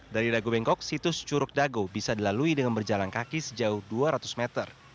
dari dago bengkok situs curug dago bisa dilalui dengan berjalan kaki sejauh dua ratus meter